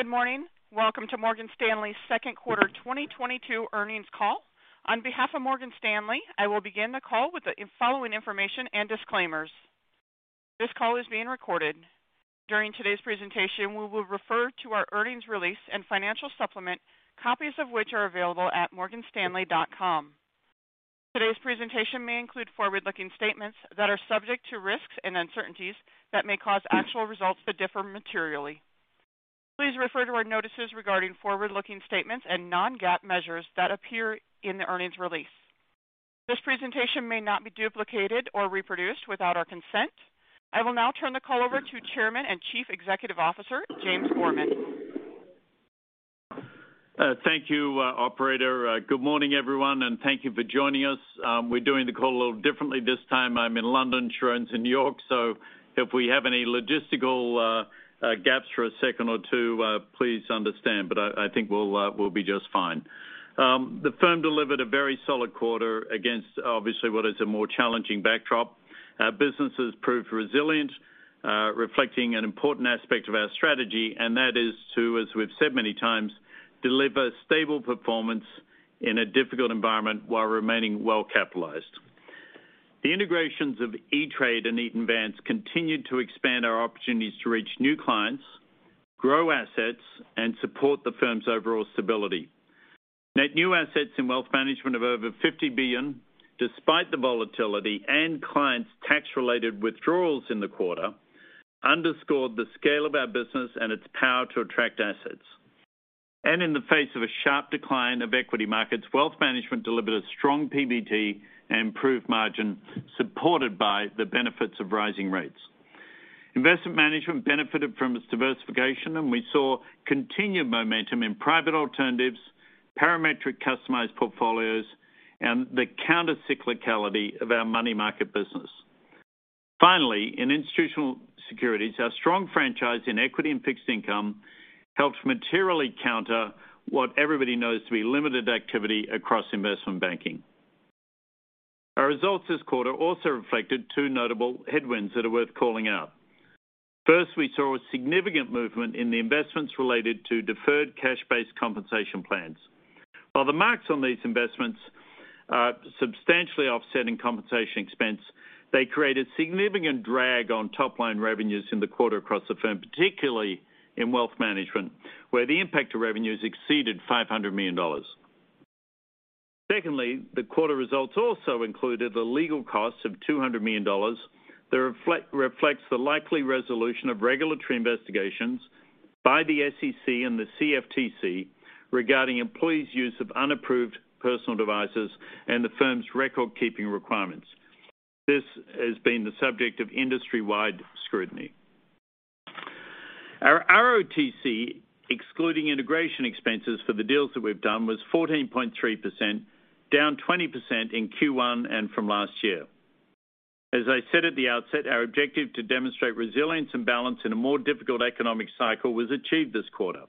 Good morning. Welcome to Morgan Stanley's second quarter 2022 earnings call. On behalf of Morgan Stanley, I will begin the call with the following information and disclaimers. This call is being recorded. During today's presentation, we will refer to our earnings release and financial supplement, copies of which are available at morganstanley.com. Today's presentation may include forward-looking statements that are subject to risks and uncertainties that may cause actual results to differ materially. Please refer to our notices regarding forward-looking statements and non-GAAP measures that appear in the earnings release. This presentation may not be duplicated or reproduced without our consent. I will now turn the call over to Chairman and Chief Executive Officer, James Gorman. Thank you, operator. Good morning, everyone, and thank you for joining us. We're doing the call a little differently this time. I'm in London, Sharon's in New York. If we have any logistical gaps for a second or two, please understand, but I think we'll be just fine. The firm delivered a very solid quarter against obviously what is a more challenging backdrop. Our business has proved resilient, reflecting an important aspect of our strategy, and that is to, as we've said many times, deliver stable performance in a difficult environment while remaining well-capitalized. The integrations of E*TRADE and Eaton Vance continue to expand our opportunities to reach new clients, grow assets, and support the firm's overall stability. Net new assets in wealth management of over $50 billion, despite the volatility and clients' tax-related withdrawals in the quarter, underscored the scale of our business and its power to attract assets. In the face of a sharp decline of equity markets, wealth management delivered a strong PBT and improved margin, supported by the benefits of rising rates. Investment Management benefited from its diversification, and we saw continued momentum in private alternatives, Parametric customized portfolios, and the counter-cyclicality of our money market business. Finally, in Institutional Securities, our strong franchise in equity and fixed income helped materially counter what everybody knows to be limited activity across investment banking. Our results this quarter also reflected 2 notable headwinds that are worth calling out. First, we saw a significant movement in the investments related to deferred cash-based compensation plans. While the marks on these investments are substantially offsetting compensation expense, they created significant drag on top line revenues in the quarter across the firm, particularly in wealth management, where the impact to revenues exceeded $500 million. Secondly, the quarter results also included the legal cost of $200 million that reflects the likely resolution of regulatory investigations by the SEC and the CFTC regarding employees' use of unapproved personal devices and the firm's record-keeping requirements. This has been the subject of industry-wide scrutiny. Our ROTCE, excluding integration expenses for the deals that we've done, was 14.3%, down 20% in Q1 and from last year. As I said at the outset, our objective to demonstrate resilience and balance in a more difficult economic cycle was achieved this quarter,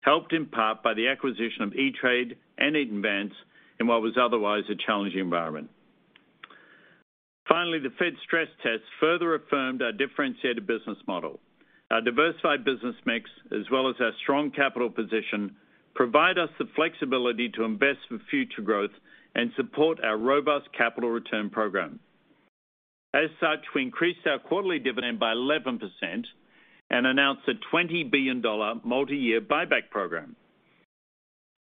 helped in part by the acquisition of E*TRADE and Eaton Vance in what was otherwise a challenging environment. Finally, the Fed stress test further affirmed our differentiated business model. Our diversified business mix, as well as our strong capital position, provide us the flexibility to invest for future growth and support our robust capital return program. As such, we increased our quarterly dividend by 11% and announced a $20 billion multiyear buyback program.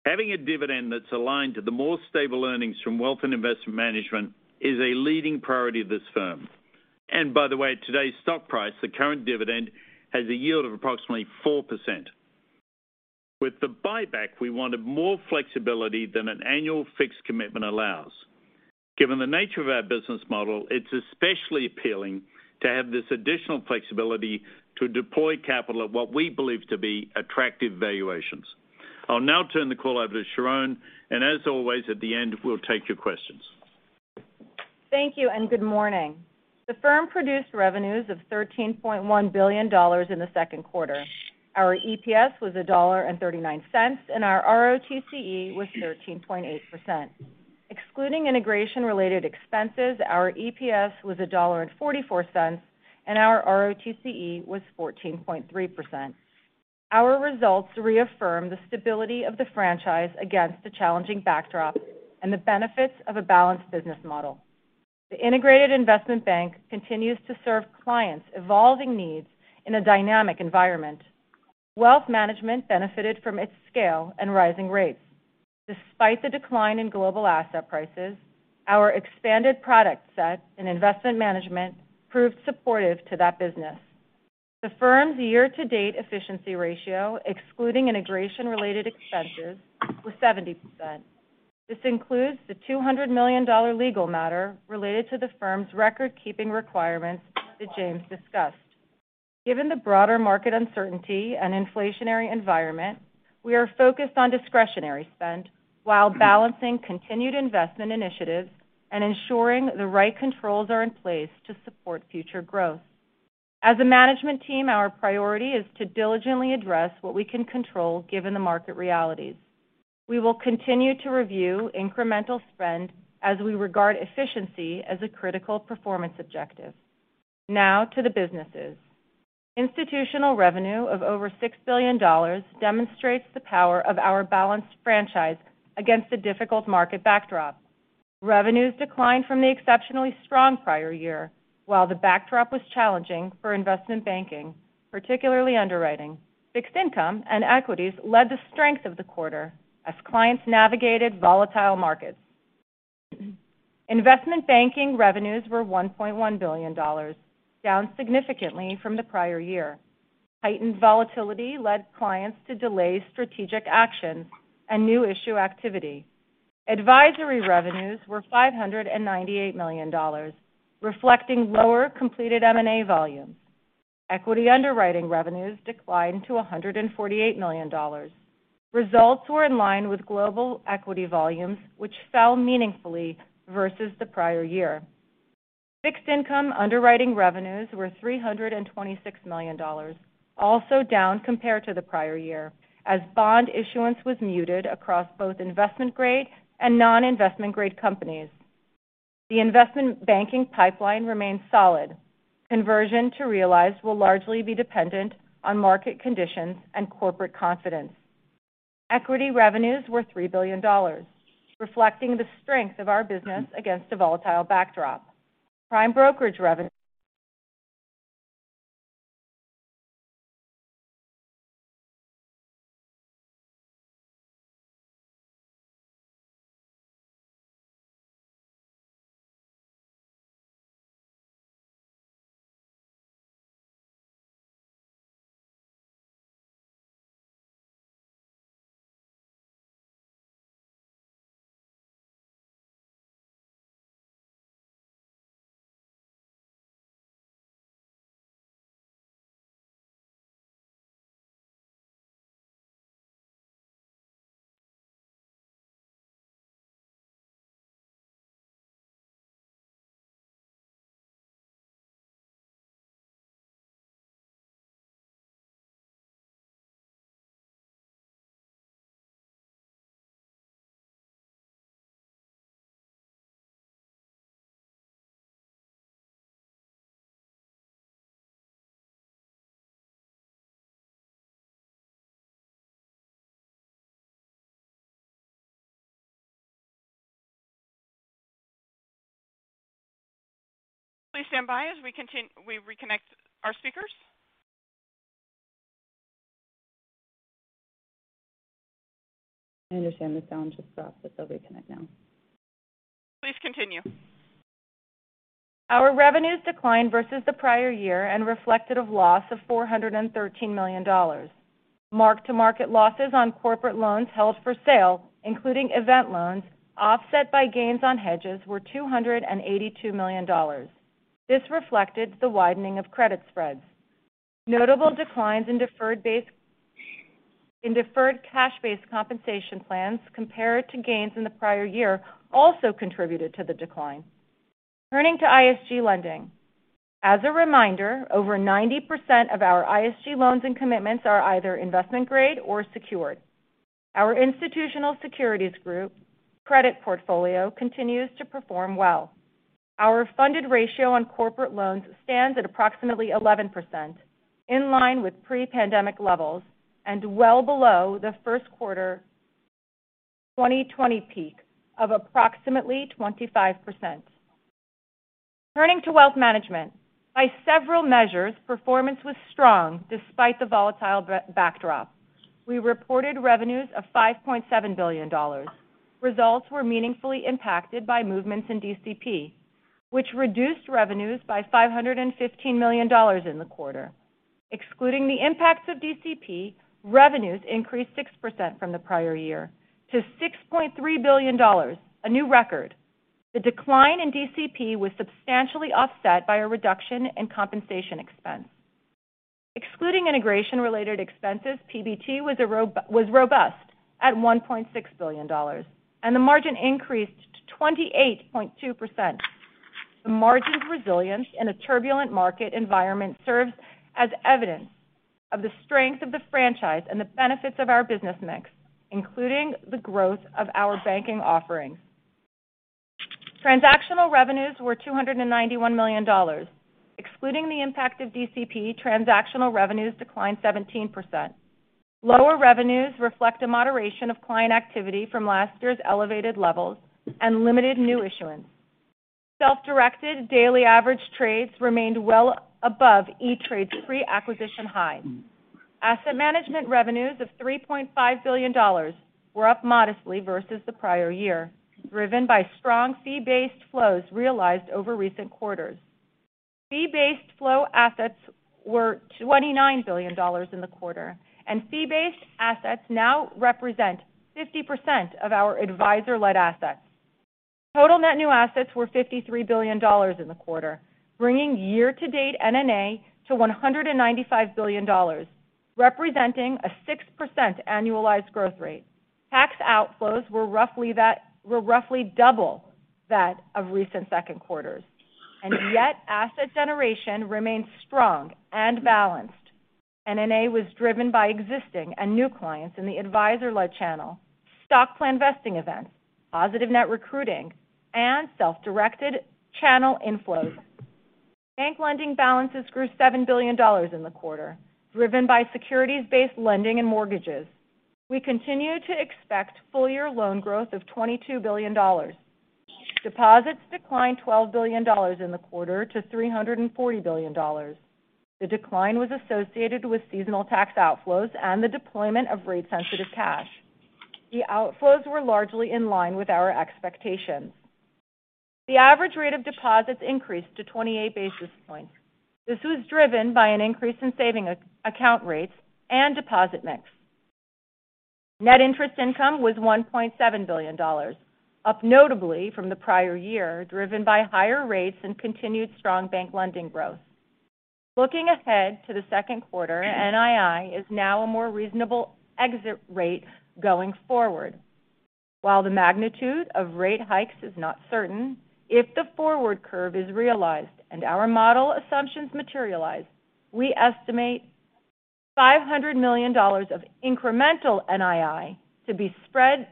Having a dividend that's aligned to the more stable earnings from Wealth and Investment Management is a leading priority of this firm. By the way, at today's stock price, the current dividend has a yield of approximately 4%. With the buyback, we wanted more flexibility than an annual fixed commitment allows. Given the nature of our business model, it's especially appealing to have this additional flexibility to deploy capital at what we believe to be attractive valuations. I'll now turn the call over to Sharon, and as always, at the end, we'll take your questions. Thank you, and good morning. The firm produced revenues of $13.1 billion in the second quarter. Our EPS was $1.39, and our ROTCE was 13.8%. Excluding integration related expenses, our EPS was $1.44, and our ROTCE was 14.3%. Our results reaffirm the stability of the franchise against a challenging backdrop and the benefits of a balanced business model. The integrated investment bank continues to serve clients' evolving needs in a dynamic environment. Wealth management benefited from its scale and rising rates. Despite the decline in global asset prices, our expanded product set and investment management proved supportive to that business. The firm's year-to-date efficiency ratio, excluding integration related expenses, was 70%. This includes the $200 million legal matter related to the firm's record-keeping requirements that James discussed. Given the broader market uncertainty and inflationary environment, we are focused on discretionary spend while balancing continued investment initiatives and ensuring the right controls are in place to support future growth. As a management team, our priority is to diligently address what we can control given the market realities. We will continue to review incremental spend as we regard efficiency as a critical performance objective. Now to the businesses. Institutional revenue of over $6 billion demonstrates the power of our balanced franchise against a difficult market backdrop. Revenues declined from the exceptionally strong prior year. While the backdrop was challenging for investment banking, particularly underwriting, fixed income and equities led the strength of the quarter as clients navigated volatile markets. Investment banking revenues were $1.1 billion, down significantly from the prior year. Heightened volatility led clients to delay strategic actions and new issue activity. Advisory revenues were $598 million, reflecting lower completed M&A volumes. Equity underwriting revenues declined to $148 million. Results were in line with global equity volumes, which fell meaningfully versus the prior year. Fixed income underwriting revenues were $326 million, also down compared to the prior year as bond issuance was muted across both investment-grade and non-investment grade companies. The investment banking pipeline remains solid. Conversion to realize will largely be dependent on market conditions and corporate confidence. Equity revenues were $3 billion, reflecting the strength of our business against a volatile backdrop. Prime brokerage revenue- Please stand by as we reconnect our speakers. I understand the sound just dropped, but they'll reconnect now. Please continue. Our revenues declined versus the prior year and reflected a loss of $413 million. Mark-to-market losses on corporate loans held for sale, including event loans, offset by gains on hedges were $282 million. This reflected the widening of credit spreads. Notable declines in deferred cash-based compensation plans compared to gains in the prior year also contributed to the decline. Turning to ISG lending. As a reminder, over 90% of our ISG loans and commitments are either investment-grade or secured. Our institutional securities group credit portfolio continues to perform well. Our funded ratio on corporate loans stands at approximately 11%, in line with pre-pandemic levels and well below the first quarter 2020 peak of approximately 25%. Turning to wealth management. By several measures, performance was strong despite the volatile backdrop. We reported revenues of $5.7 billion. Results were meaningfully impacted by movements in DCP, which reduced revenues by $515 million in the quarter. Excluding the impacts of DCP, revenues increased 6% from the prior year to $6.3 billion, a new record. The decline in DCP was substantially offset by a reduction in compensation expense. Excluding integration-related expenses, PBT was robust at $1.6 billion, and the margin increased to 28.2%. The margin's resilience in a turbulent market environment serves as evidence of the strength of the franchise and the benefits of our business mix, including the growth of our banking offerings. Transactional revenues were $291 million. Excluding the impact of DCP, transactional revenues declined 17%. Lower revenues reflect a moderation of client activity from last year's elevated levels and limited new issuance. Self-directed daily average trades remained well above E*TRADE's pre-acquisition high. Asset management revenues of $3.5 billion were up modestly versus the prior year, driven by strong fee-based flows realized over recent quarters. Fee-based flow assets were $29 billion in the quarter, and fee-based assets now represent 50% of our advisor-led assets. Total net new assets were $53 billion in the quarter, bringing year-to-date NNA to $195 billion, representing a 6% annualized growth rate. Tax outflows were roughly double that of recent second quarters, and yet asset generation remains strong and balanced. NNA was driven by existing and new clients in the advisor-led channel, stock plan vesting events, positive net recruiting, and self-directed channel inflows. Bank lending balances grew $7 billion in the quarter, driven by securities-based lending and mortgages. We continue to expect full-year loan growth of $22 billion. Deposits declined $12 billion in the quarter to $340 billion. The decline was associated with seasonal tax outflows and the deployment of rate-sensitive cash. The outflows were largely in line with our expectations. The average rate of deposits increased to 28 basis points. This was driven by an increase in savings account rates and deposit mix. Net interest income was $1.7 billion, up notably from the prior year, driven by higher rates and continued strong bank lending growth. Looking ahead to the second quarter, NII is now a more reasonable exit rate going forward. While the magnitude of rate hikes is not certain, if the forward curve is realized and our model assumptions materialize, we estimate $500 million of incremental NII to be spread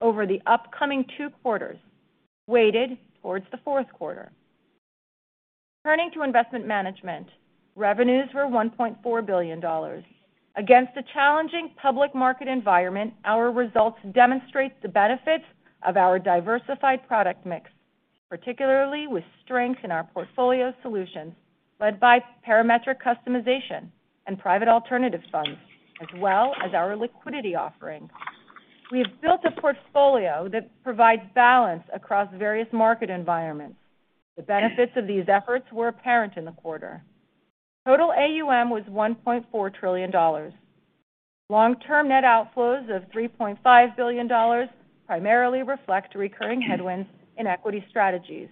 over the upcoming two quarters, weighted towards the fourth quarter. Turning to investment management. Revenues were $1.4 billion. Against a challenging public market environment, our results demonstrate the benefits of our diversified product mix, particularly with strength in our portfolio solutions led by Parametric customization and private alternative funds, as well as our liquidity offerings. We have built a portfolio that provides balance across various market environments. The benefits of these efforts were apparent in the quarter. Total AUM was $1.4 trillion. Long-term net outflows of $3.5 billion primarily reflect recurring headwinds in equity strategies,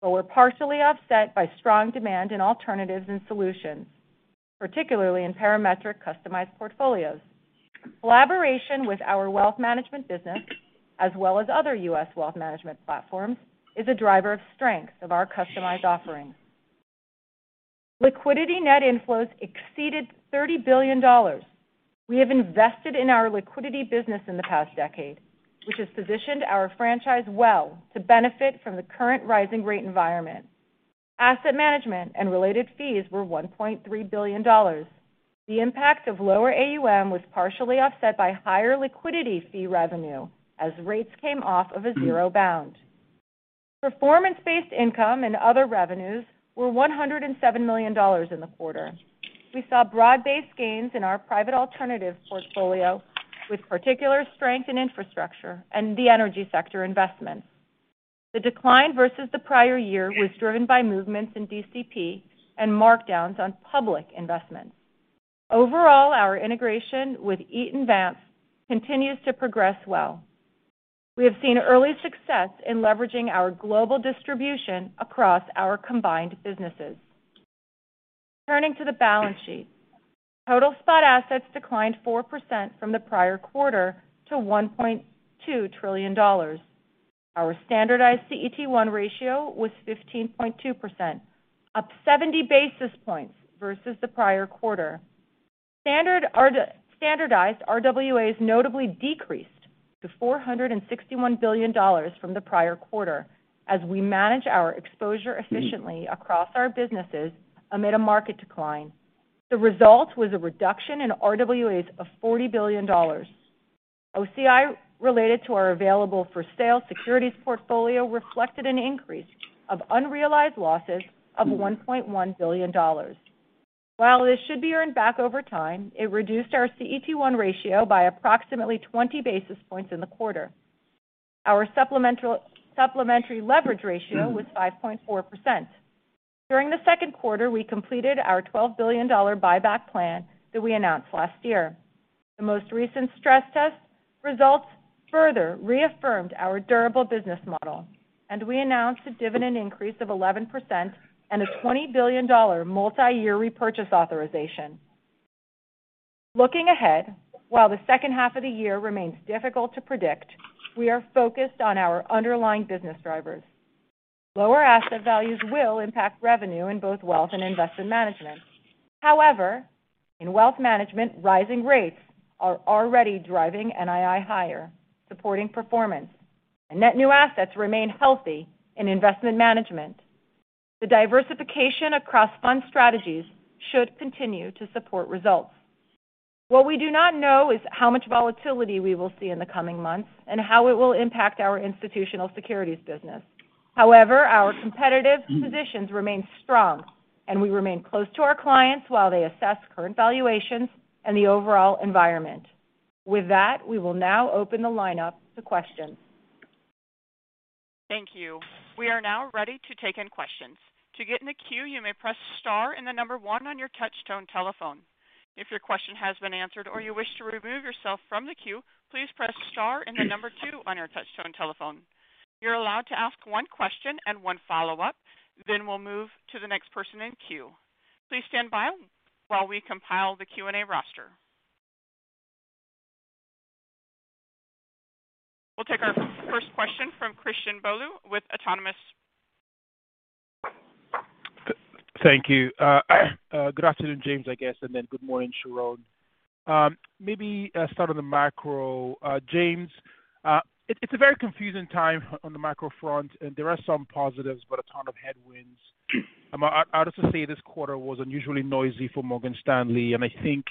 but were partially offset by strong demand in alternatives and solutions, particularly in Parametric customized portfolios. Collaboration with our wealth management business as well as other U.S. wealth management platforms is a driver of strength of our customized offerings. Liquidity net inflows exceeded $30 billion. We have invested in our liquidity business in the past decade, which has positioned our franchise well to benefit from the current rising rate environment. Asset management and related fees were $1.3 billion. The impact of lower AUM was partially offset by higher liquidity fee revenue as rates came off of a zero bound. Performance-based income and other revenues were $107 million in the quarter. We saw broad-based gains in our private alternative portfolio, with particular strength in infrastructure and the energy sector investments. The decline versus the prior year was driven by movements in DCP and markdowns on public investments. Overall, our integration with Eaton Vance continues to progress well. We have seen early success in leveraging our global distribution across our combined businesses. Turning to the balance sheet. Total spot assets declined 4% from the prior quarter to $1.2 trillion. Our standardized CET1 ratio was 15.2%, up 70 basis points versus the prior quarter. Standardized RWAs notably decreased to $461 billion from the prior quarter as we manage our exposure efficiently across our businesses amid a market decline. The result was a reduction in RWAs of $40 billion. OCI related to our available-for-sale securities portfolio reflected an increase of unrealized losses of $1.1 billion. While this should be earned back over time, it reduced our CET1 ratio by approximately 20 basis points in the quarter. Our supplementary leverage ratio was 5.4%. During the second quarter, we completed our $12 billion buyback plan that we announced last year. The most recent stress test results further reaffirmed our durable business model, and we announced a dividend increase of 11% and a $20 billion multi-year repurchase authorization. Looking ahead, while the second half of the year remains difficult to predict, we are focused on our underlying business drivers. Lower asset values will impact revenue in both wealth and investment management. However, in wealth management, rising rates are already driving NII higher, supporting performance. Net new assets remain healthy in investment management. The diversification across fund strategies should continue to support results. What we do not know is how much volatility we will see in the coming months and how it will impact our institutional securities business. However, our competitive positions remain strong, and we remain close to our clients while they assess current valuations and the overall environment. With that, we will now open the lineup to questions. Thank you. We are now ready to take in questions. To get in the queue, you may press star and the number one on your touch-tone telephone. If your question has been answered or you wish to remove yourself from the queue, please press star and the number two on your touch-tone telephone. You're allowed to ask one question and one follow-up, then we'll move to the next person in queue. Please stand by while we compile the Q&A roster. We'll take our first question from Christian Bolu with Autonomous. Thank you. Good afternoon, James, I guess, and then good morning, Sharon. Maybe start on the macro. James, it's a very confusing time on the macro front, and there are some positives, but a ton of headwinds. I'd also say this quarter was unusually noisy for Morgan Stanley, and I think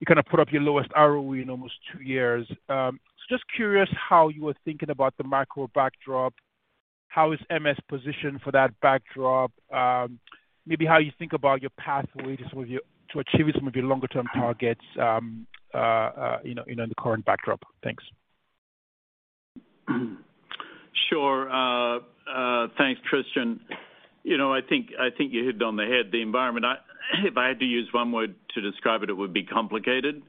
you kind of put up your lowest ROE in almost two years. Just curious how you were thinking about the macro backdrop. How is MS positioned for that backdrop? Maybe how you think about your pathways to achieve some of your longer-term targets, you know, in the current backdrop. Thanks. Sure. Thanks, Christian. You know, I think you hit it on the head. The environment, if I had to use one word to describe it would be complicated.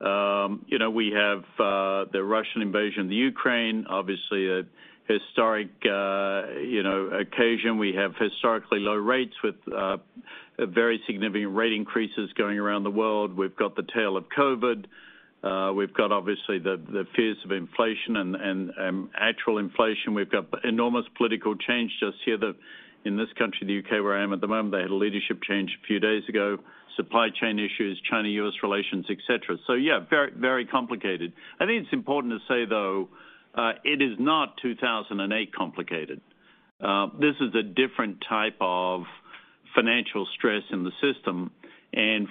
You know, we have the Russian invasion of the Ukraine, obviously a historic, you know, occasion. We have historically low rates with very significant rate increases going around the world. We've got the tail of COVID. We've got obviously the fears of inflation and actual inflation. We've got enormous political change just here in this country, the U.K., where I am at the moment. They had a leadership change a few days ago, supply chain issues, China-U.S. relations, et cetera. Yeah, very, very complicated. I think it's important to say, though, it is not 2008 complicated. This is a different type of financial stress in the system.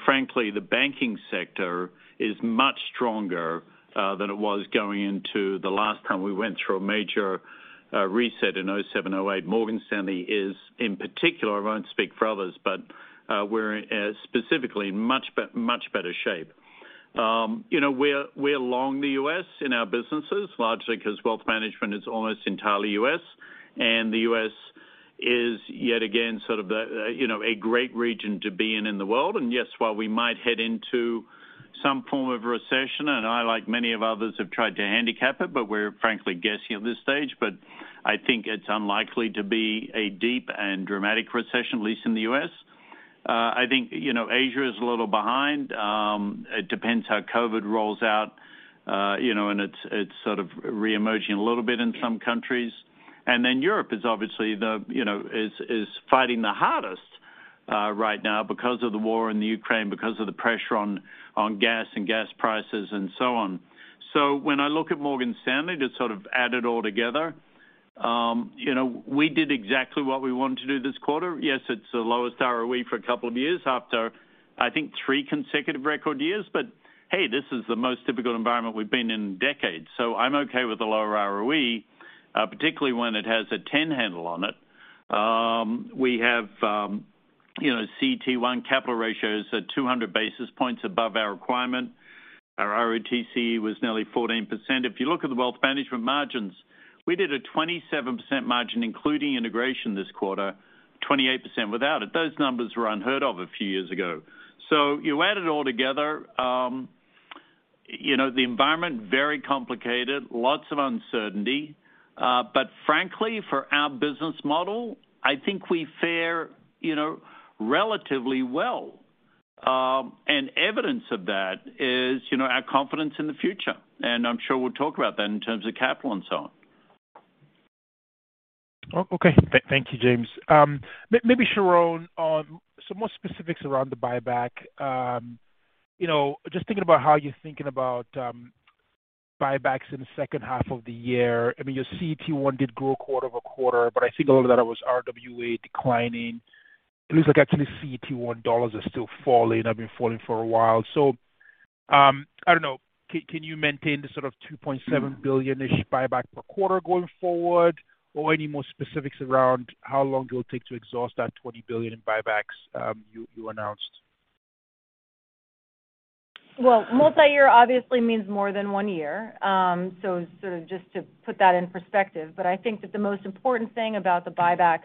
Frankly, the banking sector is much stronger than it was going into the last time we went through a major reset in 2007, 2008. Morgan Stanley is in particular, I won't speak for others, but we're specifically in much better shape. You know, we're all in the U.S. in our businesses, largely 'cause wealth management is almost entirely U.S., and the U.S. is yet again sort of the, you know, a great region to be in in the world. Yes, while we might head into some form of recession, and I, like many others, have tried to handicap it, but we're frankly guessing at this stage. I think it's unlikely to be a deep and dramatic recession, at least in the U.S. I think, you know, Asia is a little behind. It depends how COVID rolls out, you know, and it's sort of reemerging a little bit in some countries. Europe is obviously the, you know, fighting the hardest right now because of the war in Ukraine, because of the pressure on gas and gas prices and so on. When I look at Morgan Stanley, just sort of add it all together, you know, we did exactly what we wanted to do this quarter. Yes, it's the lowest ROE for a couple of years after, I think, three consecutive record years. Hey, this is the most difficult environment we've been in in decades. I'm okay with the lower ROE, particularly when it has a ten handle on it. We have, you know, CET1 capital ratio is at 200 basis points above our requirement. Our ROTCE was nearly 14%. If you look at the wealth management margins, we did a 27% margin, including integration this quarter, 28% without it. Those numbers were unheard of a few years ago. You add it all together, you know, the environment, very complicated, lots of uncertainty. Frankly, for our business model, I think we fare, you know, relatively well. Evidence of that is, you know, our confidence in the future. I'm sure we'll talk about that in terms of capital and so on. Okay. Thank you, James. Maybe Sharon, on some more specifics around the buyback. You know, just thinking about how you're thinking about buybacks in the second half of the year. I mean, your CET1 did grow quarter-over-quarter, but I think a lot of that was RWA declining. It looks like actually CET1 dollars are still falling, have been falling for a while. I don't know, can you maintain the sort of $2.7 billion-ish buyback per quarter going forward? Or any more specifics around how long it will take to exhaust that $20 billion in buybacks you announced? Multi-year obviously means more than one year. Sort of just to put that in perspective. I think that the most important thing about the buyback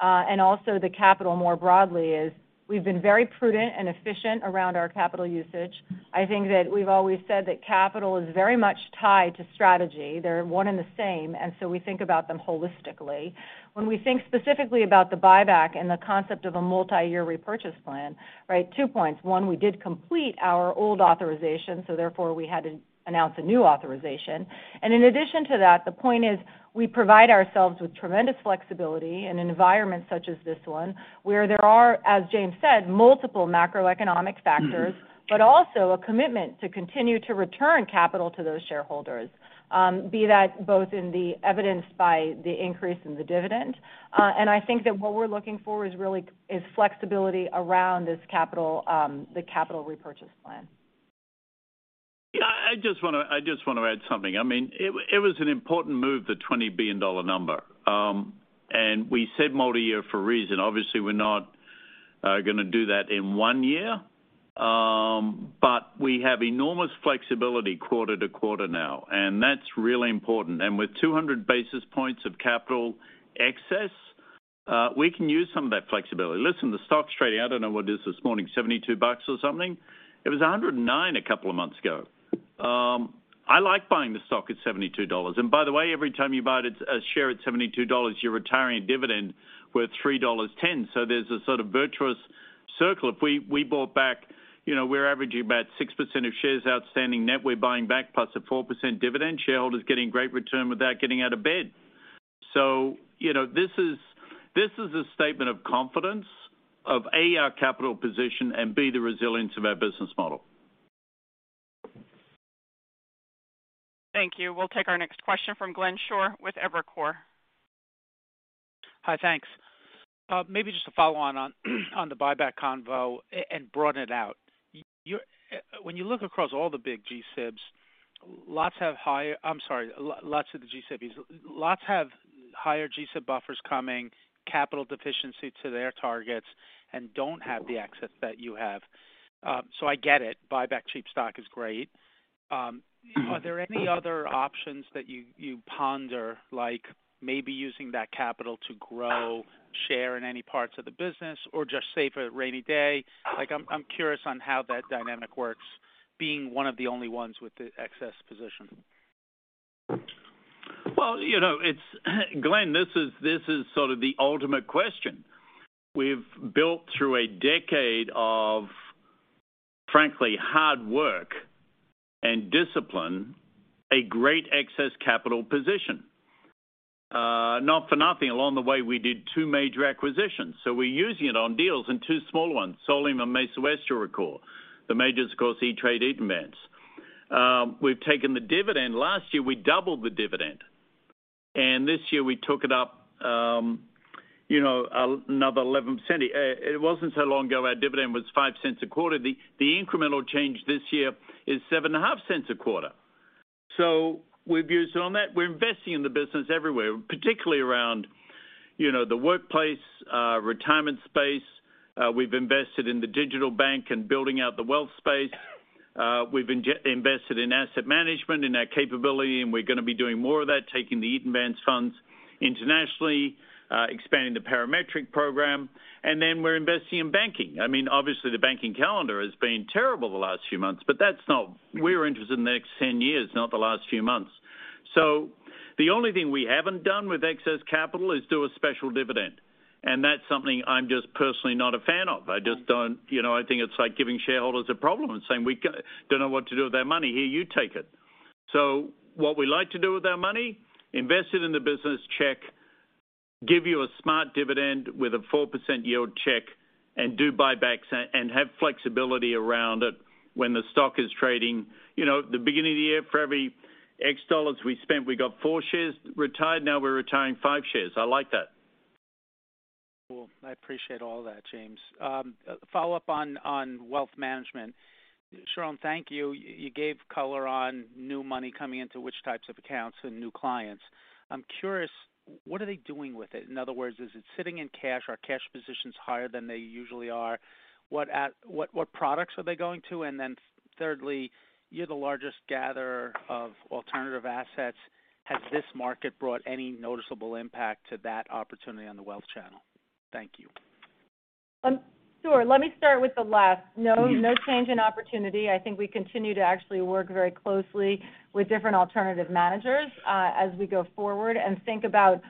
and also the capital more broadly is we've been very prudent and efficient around our capital usage. I think that we've always said that capital is very much tied to strategy. They're one and the same, and so we think about them holistically. When we think specifically about the buyback and the concept of a multi-year repurchase plan, right, two points. One, we did complete our old authorization, so therefore we had to announce a new authorization. In addition to that, the point is we provide ourselves with tremendous flexibility in an environment such as this one, where there are, as James said, multiple macroeconomic factors, but also a commitment to continue to return capital to those shareholders, be that both in the evidenced by the increase in the dividend. I think that what we're looking for is flexibility around this capital, the capital repurchase plan. Yeah. I just wanna add something. I mean, it was an important move, the $20 billion number. We said multi-year for a reason. Obviously, we're not gonna do that in one year. We have enormous flexibility quarter to quarter now, and that's really important. With 200 basis points of capital excess, we can use some of that flexibility. Listen, the stock's trading, I don't know what it is this morning, $72 or something. It was $109 a couple of months ago. I like buying the stock at $72. By the way, every time you buy a share at $72, you're retiring a dividend worth $3.10. There's a sort of virtuous circle. If we bought back, you know, we're averaging about 6% of shares outstanding net, we're buying back plus a 4% dividend. Shareholders getting great return without getting out of bed. You know, this is a statement of confidence of, A, our capital position, and B, the resilience of our business model. Thank you. We'll take our next question from Glenn Schorr with Evercore. Hi, thanks. Maybe just to follow on the buyback convo and broaden it out. You, when you look across all the big G-SIBs, lots of the G-SIBs have higher G-SIB buffers coming, capital deficiency to their targets, and don't have the access that you have. I get it, buyback cheap stock is great. Are there any other options that you ponder, like maybe using that capital to grow share in any parts of the business or just save for a rainy day? I'm curious on how that dynamic works being one of the only ones with the excess position. Well, you know, it's Glenn, this is sort of the ultimate question. We've built through a decade of, frankly, hard work and discipline, a great excess capital position. Not for nothing, along the way, we did two major acquisitions. We're using it on deals and two small ones, Solium and Mesa West, you'll recall. The majors, of course, E*TRADE, Eaton Vance. We've taken the dividend. Last year, we doubled the dividend. This year we took it up, you know, another $0.11. It wasn't so long ago our dividend was $0.05 a quarter. The incremental change this year is $0.075 a quarter. We've used it on that. We're investing in the business everywhere, particularly around, you know, the workplace, retirement space. We've invested in the digital bank and building out the wealth space. We've invested in asset management and our capability, and we're going to be doing more of that, taking the Eaton Vance funds internationally, expanding the Parametric program. We're investing in banking. I mean, obviously the banking calendar has been terrible the last few months, but that's not. We're interested in the next 10 years, not the last few months. The only thing we haven't done with excess capital is do a special dividend. That's something I'm just personally not a fan of. I just don't, you know, I think it's like giving shareholders a problem and saying, "We don't know what to do with our money. Here, you take it." What we like to do with our money, invest it in the business, check. Give you a smart dividend with a 4% yield, check. Do buybacks and have flexibility around it when the stock is trading. You know, the beginning of the year, for every X dollars we spent, we got four shares retired. Now we're retiring five shares. I like that. Cool. I appreciate all that, James. Follow up on wealth management. Sharon, thank you. You gave color on new money coming into which types of accounts and new clients. I'm curious, what are they doing with it? In other words, is it sitting in cash? Are cash positions higher than they usually are? What products are they going to? And then thirdly, you're the largest gatherer of alternative assets. Has this market brought any noticeable impact to that opportunity on the wealth channel? Thank you. Sure. Let me start with the last. No, no change in opportunity. I think we continue to actually work very closely with different alternative managers as we go forward and think about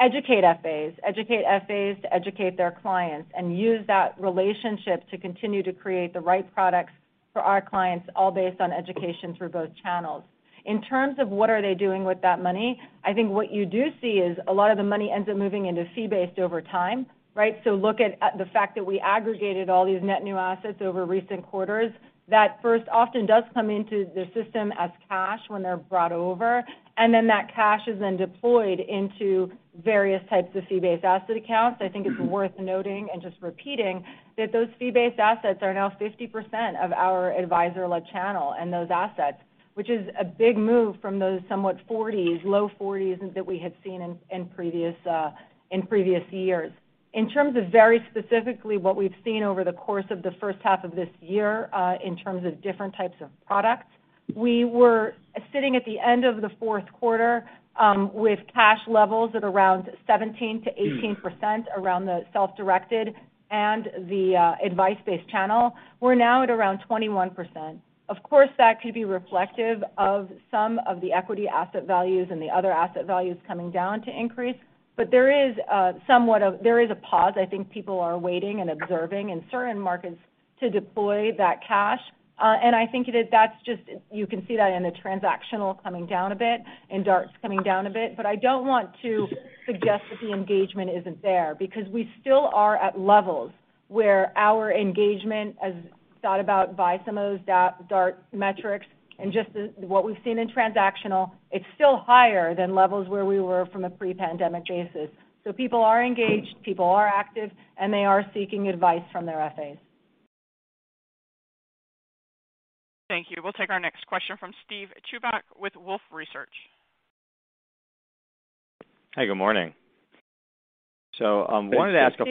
educate FAs to educate their clients and use that relationship to continue to create the right products for our clients, all based on education through both channels. In terms of what are they doing with that money, I think what you do see is a lot of the money ends up moving into fee-based over time, right? So look at the fact that we aggregated all these net new assets over recent quarters. That first often does come into the system as cash when they're brought over, and then that cash is then deployed into various types of fee-based asset accounts. I think it's worth noting and just repeating that those fee-based assets are now 50% of our advisor-led channel and those assets, which is a big move from those somewhat 40s, low 40s that we had seen in previous years. In terms of very specifically what we've seen over the course of the first half of this year, in terms of different types of products, we were sitting at the end of the fourth quarter with cash levels at around 17%-18% around the self-directed and the advice-based channel. We're now at around 21%. Of course, that could be reflective of some of the equity asset values and the other asset values coming down to increase. But there is somewhat of a pause. I think people are waiting and observing in certain markets to deploy that cash. I think that's just, you can see that in the transactional coming down a bit and DARTs coming down a bit. I don't want to suggest that the engagement isn't there because we still are at levels where our engagement, as thought about by some of those DART metrics and just what we've seen in transactional, it's still higher than levels where we were from a pre-pandemic basis. People are engaged, people are active, and they are seeking advice from their FAs. Thank you. We'll take our next question from Steven Chubak with Wolfe Research. Hey, good morning. Hey, Steven. Hey. Hey, wanted to ask a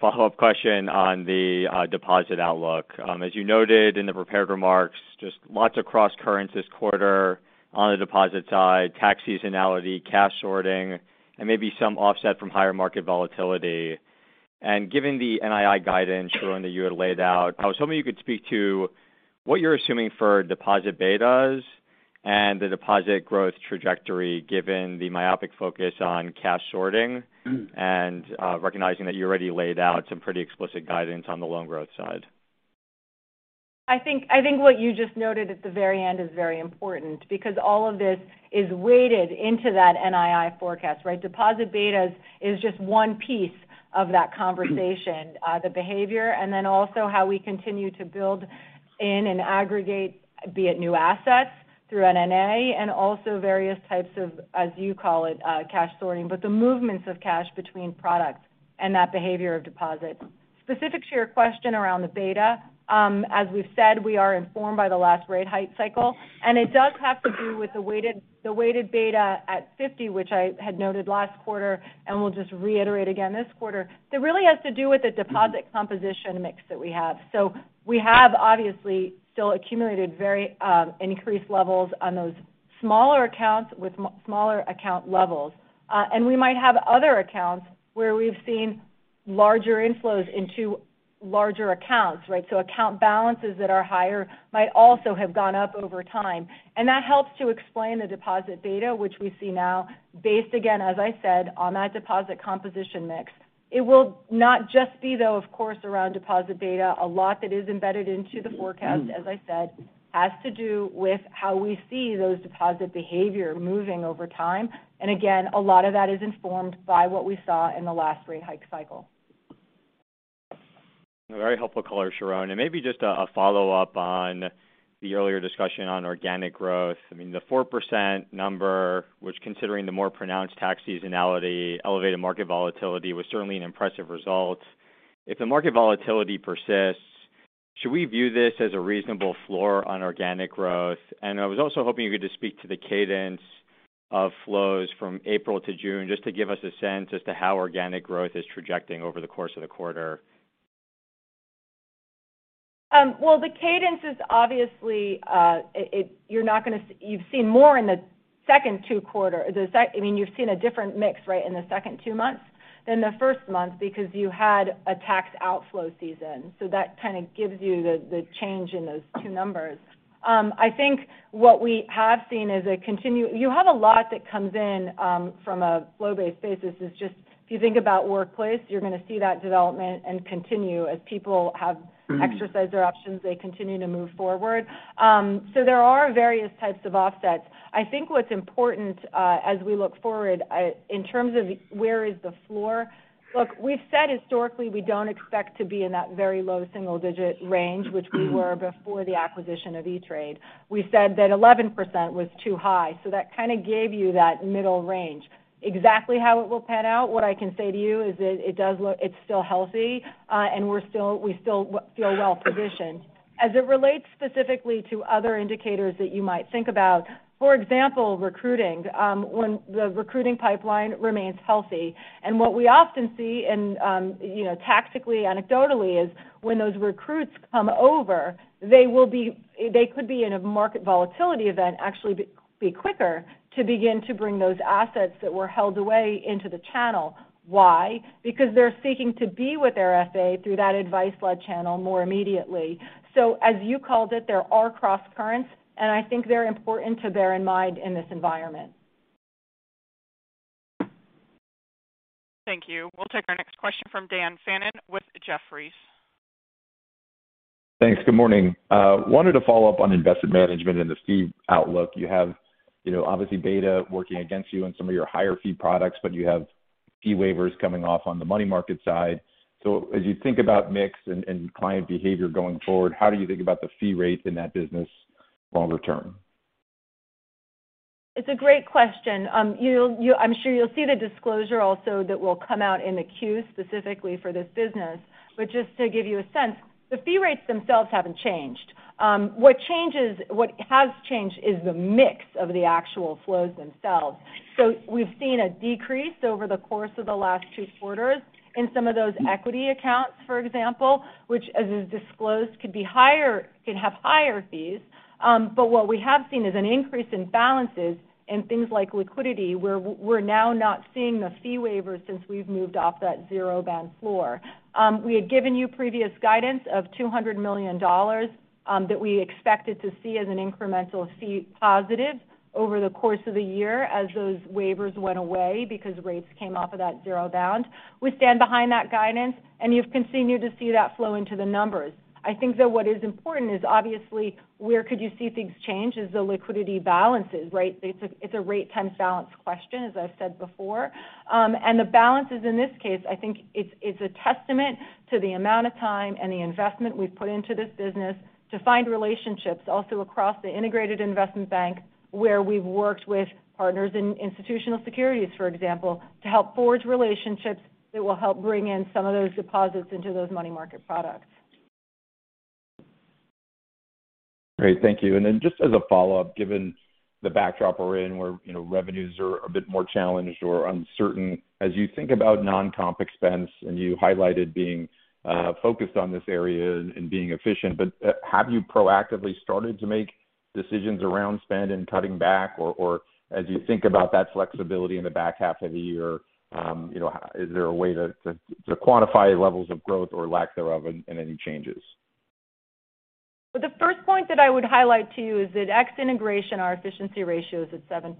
follow-up question on the deposit outlook. As you noted in the prepared remarks, just lots of cross-currents this quarter on the deposit side, tax seasonality, cash sorting, and maybe some offset from higher market volatility. Given the NII guidance, Sharon, that you had laid out, I was hoping you could speak to what you're assuming for deposit betas and the deposit growth trajectory given the myopic focus on cash sorting and recognizing that you already laid out some pretty explicit guidance on the loan growth side. I think what you just noted at the very end is very important because all of this is weighted into that NII forecast, right? Deposit betas is just one piece of that conversation. The behavior and then also how we continue to build in and aggregate, be it new assets through an M&A and also various types of, as you call it, cash sorting. The movements of cash between products and that behavior of deposits. Specific to your question around the beta, as we've said, we are informed by the last rate hike cycle, and it does have to do with the weighted beta at 50, which I had noted last quarter, and we'll just reiterate again this quarter. That really has to do with the deposit composition mix that we have. We have obviously still accumulated very increased levels on those smaller accounts with smaller account levels. We might have other accounts where we've seen larger inflows into larger accounts, right? Account balances that are higher might also have gone up over time. That helps to explain the deposit beta which we see now based, again, as I said, on that deposit composition mix. It will not just be, though, of course, around deposit beta. A lot that is embedded into the forecast, as I said, has to do with how we see those deposit behavior moving over time. Again, a lot of that is informed by what we saw in the last rate hike cycle. A very helpful color, Sharon. Maybe just a follow-up on the earlier discussion on organic growth. I mean, the 4% number, which considering the more pronounced tax seasonality, elevated market volatility, was certainly an impressive result. If the market volatility persists, should we view this as a reasonable floor on organic growth? I was also hoping you could just speak to the cadence of flows from April to June, just to give us a sense as to how organic growth is tracking over the course of the quarter. Well, the cadence is obviously. You've seen more in the second quarter. I mean, you've seen a different mix, right, in the second two months than the first month because you had a tax outflow season. That kind of gives you the change in those two numbers. I think what we have seen is a continuation. You have a lot that comes in from a flow-based basis. It's just, if you think about Morgan Stanley at Work, you're gonna see that development and continue as people have exercised their options, they continue to move forward. There are various types of offsets. I think what's important as we look forward in terms of where is the floor. Look, we've said historically we don't expect to be in that very low single-digit range which we were before the acquisition of E*TRADE. We said that 11% was too high, so that kind of gave you that middle range. Exactly how it will pan out, what I can say to you is that it does look, it's still healthy, and we still feel well-positioned. As it relates specifically to other indicators that you might think about, for example, recruiting, when the recruiting pipeline remains healthy. What we often see and, you know, tactically, anecdotally is when those recruits come over, they could be in a market volatility event actually be quicker to begin to bring those assets that were held away into the channel. Why? Because they're seeking to be with their FA through that advice-led channel more immediately. as you called it, there are cross-currents, and I think they're important to bear in mind in this environment. Thank you. We'll take our next question from Dan Fannon with Jefferies. Thanks. Good morning. Wanted to follow up on investment management and the fee outlook. You have, you know, obviously beta working against you on some of your higher fee products, but you have fee waivers coming off on the money market side. As you think about mix and client behavior going forward, how do you think about the fee rates in that business longer term? It's a great question. I'm sure you'll see the disclosure also that will come out in the Q specifically for this business. Just to give you a sense, the fee rates themselves haven't changed. What has changed is the mix of the actual flows themselves. We've seen a decrease over the course of the last two quarters in some of those equity accounts, for example, which as is disclosed, could be higher, could have higher fees. What we have seen is an increase in balances in things like liquidity, where we're now not seeing the fee waivers since we've moved off that zero-bound floor. We had given you previous guidance of $200 million that we expected to see as an incremental fee positive over the course of the year as those waivers went away because rates came off of that zero bound. We stand behind that guidance, and you've continued to see that flow into the numbers. I think that what is important is obviously where you could see things change is the liquidity balances, right? It's a rate times balance question, as I've said before. The balances in this case, I think it's a testament to the amount of time and the investment we've put into this business to find relationships also across the integrated investment bank, where we've worked with partners in Institutional Securities, for example, to help forge relationships that will help bring in some of those deposits into those money market products. Great. Thank you. Just as a follow-up, given the backdrop we're in where, you know, revenues are a bit more challenged or uncertain. As you think about non-comp expense, and you highlighted being focused on this area and being efficient, but have you proactively started to make decisions around spend and cutting back? Or as you think about that flexibility in the back half of the year, you know, is there a way to quantify levels of growth or lack thereof and any changes? The first point that I would highlight to you is that ex integration, our efficiency ratio is at 7%,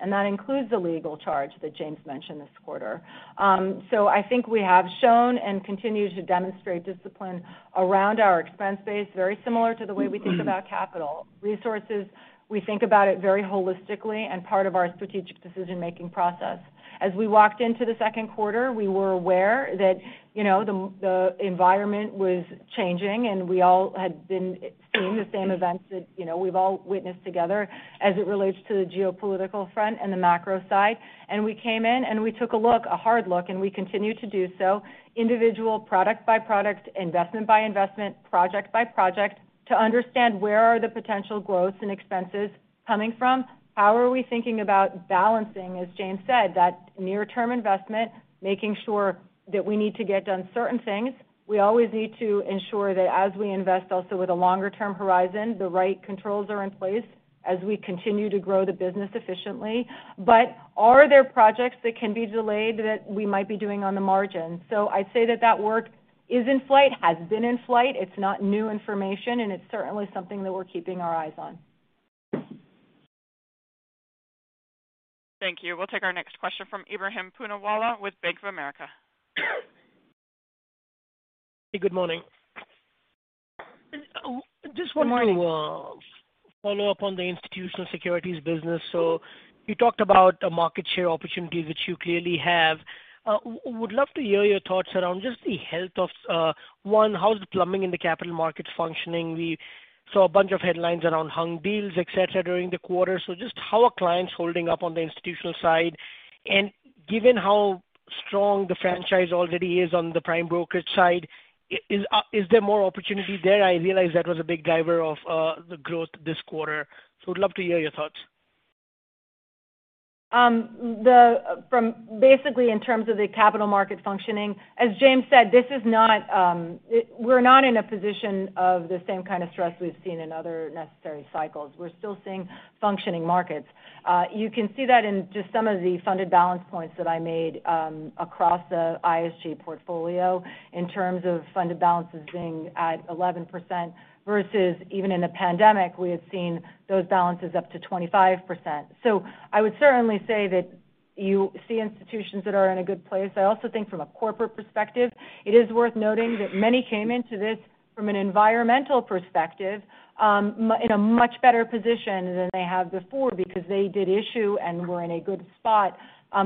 and that includes the legal charge that James mentioned this quarter. I think we have shown and continue to demonstrate discipline around our expense base, very similar to the way we think about capital resources, we think about it very holistically and part of our strategic decision-making process. As we walked into the second quarter, we were aware that, you know, the environment was changing, and we all had been seeing the same events that, you know, we've all witnessed together as it relates to the geopolitical front and the macro side. We came in, and we took a look, a hard look, and we continue to do so, individual product by product, investment by investment, project by project, to understand where are the potential growths and expenses coming from. How are we thinking about balancing, as James said, that near term investment, making sure that we need to get done certain things. We always need to ensure that as we invest also with a longer-term horizon, the right controls are in place as we continue to grow the business efficiently. Are there projects that can be delayed that we might be doing on the margin? I'd say that work is in flight, has been in flight. It's not new information, and it's certainly something that we're keeping our eyes on. Thank you. We'll take our next question from Ebrahim Poonawala with Bank of America. Good morning. Good morning. Just wanted to follow up on the institutional securities business. You talked about the market share opportunities, which you clearly have. Would love to hear your thoughts around just the health of how's the plumbing in the capital markets functioning. We saw a bunch of headlines around hung deals, et cetera, during the quarter. Just how are clients holding up on the institutional side? Given how strong the franchise already is on the prime brokerage side, is there more opportunity there? I realize that was a big driver of the growth this quarter. Would love to hear your thoughts. From basically in terms of the capital markets functioning, as James said, this is not, we're not in a position of the same kind of stress we've seen in other recessionary cycles. We're still seeing functioning markets. You can see that in just some of the funded balance points that I made, across the ISG portfolio in terms of funded balances being at 11% versus even in the pandemic, we had seen those balances up to 25%. I would certainly say that you see institutions that are in a good place. I also think from a corporate perspective, it is worth noting that many came into this from an environmental perspective, in a much better position than they have before because they did issue and were in a good spot,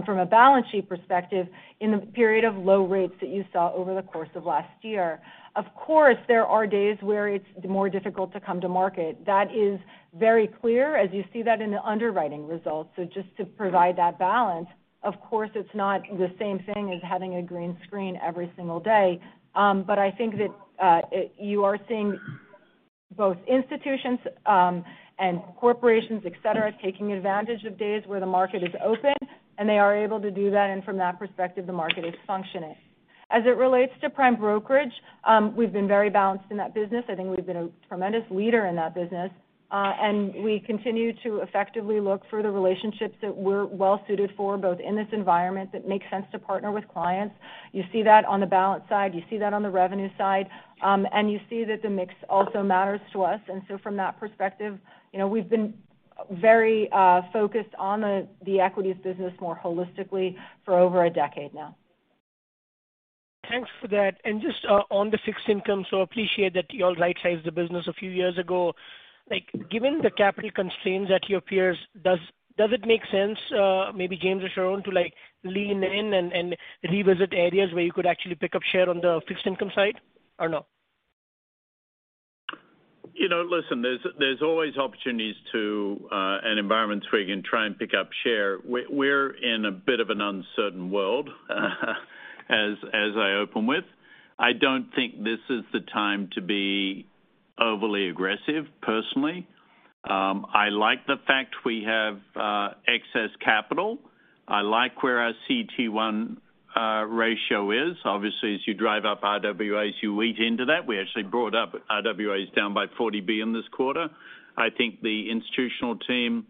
from a balance sheet perspective in the period of low rates that you saw over the course of last year. Of course, there are days where it's more difficult to come to market. That is very clear as you see that in the underwriting results. Just to provide that balance, of course, it's not the same thing as having a green screen every single day. I think that you are seeing both institutions and corporations, et cetera, taking advantage of days where the market is open, and they are able to do that, and from that perspective, the market is functioning. As it relates to prime brokerage, we've been very balanced in that business. I think we've been a tremendous leader in that business, and we continue to effectively look for the relationships that we're well suited for, both in this environment that makes sense to partner with clients. You see that on the balance side, you see that on the revenue side, and you see that the mix also matters to us. From that perspective, you know, we've been very focused on the equities business more holistically for over a decade now. Thanks for that. Just on the fixed income, so appreciate that you all right-sized the business a few years ago. Like, given the capital constraints at your peers, does it make sense, maybe James or Sharon, to like lean in and revisit areas where you could actually pick up share on the fixed income side, or no? You know, listen, there's always opportunities in an environment where you can try and pick up share. We're in a bit of an uncertain world, as I open with. I don't think this is the time to be overly aggressive, personally. I like the fact we have excess capital. I like where our CET1 ratio is. Obviously, as you drive up RWAs, you eat into that. We actually brought our RWAs down by $40 billion in this quarter. I think the institutional team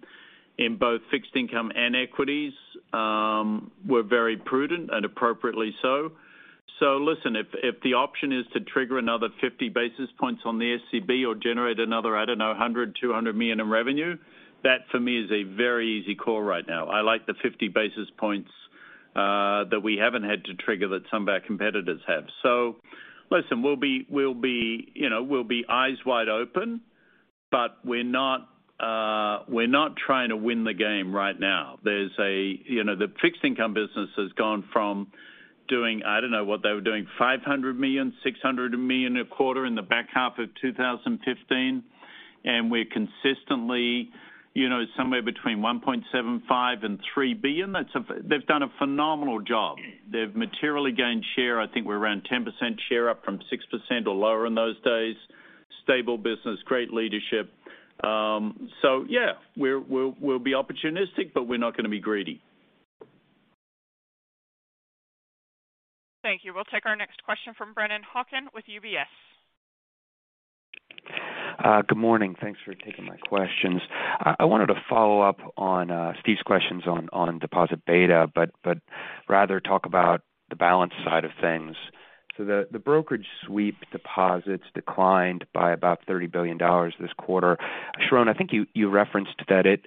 in both fixed income and equities were very prudent and appropriately so. Listen, if the option is to trigger another 50 basis points on the SCB or generate another, I don't know, $100 million, $200 million in revenue, that for me is a very easy call right now. I like the 50 basis points that we haven't had to trigger that some of our competitors have. Listen, we'll be, you know, eyes wide open, but we're not trying to win the game right now. There's, you know, the fixed income business has gone from doing, I don't know what they were doing, $500 million, $600 million a quarter in the back half of 2015. We're consistently, you know, somewhere between $1.75 billion-$3 billion. They've done a phenomenal job. They've materially gained share. I think we're around 10% share up from 6% or lower in those days. Stable business, great leadership. Yeah, we'll be opportunistic, but we're not gonna be greedy. Thank you. We'll take our next question from Brennan Hawken with UBS. Good morning. Thanks for taking my questions. I wanted to follow up on Steven's questions on deposit beta, but rather talk about the balance side of things. The brokerage sweep deposits declined by about $30 billion this quarter. Sharon, I think you referenced that it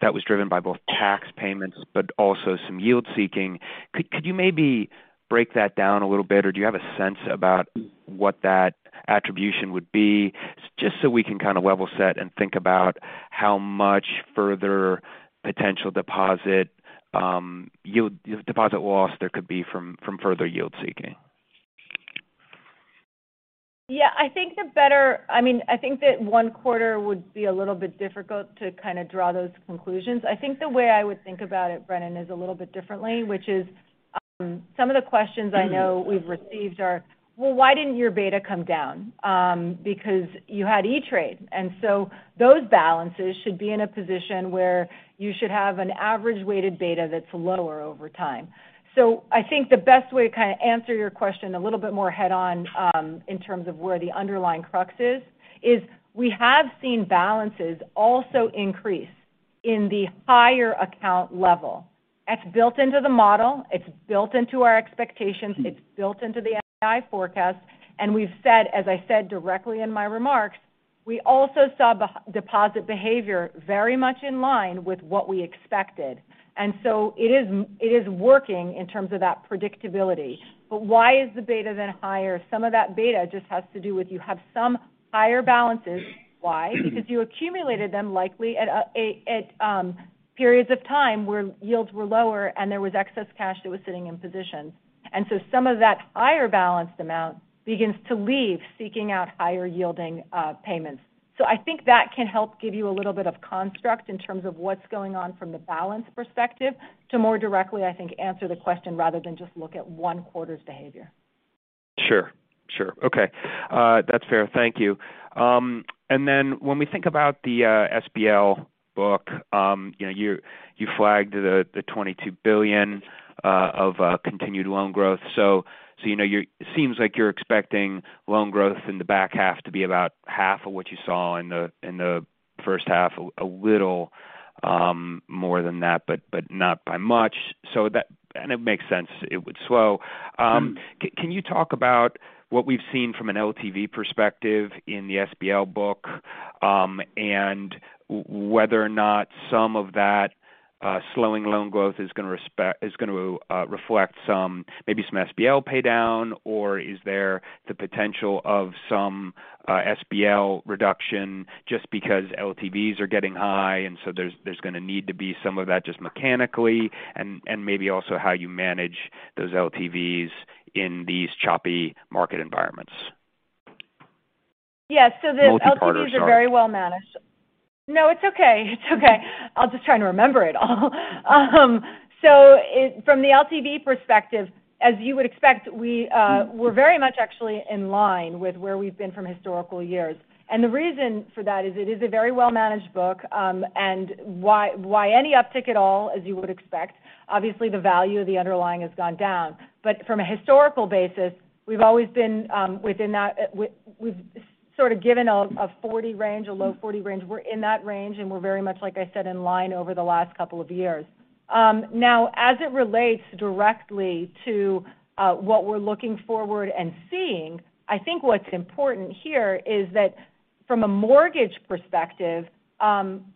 That was driven by both tax payments but also some yield seeking. Could you maybe break that down a little bit, or do you have a sense about what that attribution would be? Just so we can kind of level set and think about how much further potential deposit yield deposit loss there could be from further yield seeking. Yeah, I mean, I think that one quarter would be a little bit difficult to kind of draw those conclusions. I think the way I would think about it, Brennan, is a little bit differently, which is, some of the questions I know we've received are, "Well, why didn't your beta come down?" Because you had E*TRADE, and so those balances should be in a position where you should have an average weighted beta that's lower over time. So I think the best way to kind of answer your question a little bit more head on, in terms of where the underlying crux is we have seen balances also increase in the higher account level. That's built into the model, it's built into our expectations, it's built into the NII forecast. We've said, as I said directly in my remarks, we also saw deposit behavior very much in line with what we expected. It is working in terms of that predictability. Why is the beta then higher? Some of that beta just has to do with you have some higher balance amount. Why? Because you accumulated them likely at periods of time where yields were lower and there was excess cash that was sitting in position. Some of that higher balance amount begins to leave seeking out higher yielding payments. I think that can help give you a little bit of context in terms of what's going on from the balance perspective to more directly, I think, answer the question rather than just look at one quarter's behavior. Sure, sure. Okay. That's fair. Thank you. Then when we think about the SBL book, you know, you flagged the $22 billion of continued loan growth. You know, it seems like you're expecting loan growth in the back half to be about half of what you saw in the first half, a little more than that, but not by much. So that makes sense it would slow. Can you talk about what we've seen from an LTV perspective in the SBL book, and whether or not some of that slowing loan growth is gonna reflect some, maybe some SBL pay down or is there the potential of some SBL reduction just because LTVs are getting high, and so there's gonna need to be some of that just mechanically and maybe also how you manage those LTVs in these choppy market environments? Yeah. The LTVs. Multipart, sorry. Are very well managed. No, it's okay. It's okay. I'll just try to remember it all. From the LTV perspective, as you would expect, we're very much actually in line with where we've been from historical years. The reason for that is it is a very well-managed book. Why any uptick at all, as you would expect, obviously the value of the underlying has gone down. From a historical basis, we've always been within that. We've sort of given a 40 range, a low 40 range. We're in that range, and we're very much, like I said, in line over the last couple of years. Now, as it relates directly to what we're looking forward and seeing, I think what's important here is that from a mortgage perspective,